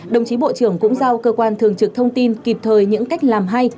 đồng chí bộ trưởng cũng giao cơ quan thường trực thông tin kịp thời những cách làm hay